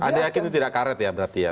anda yakin itu tidak karet ya berarti ya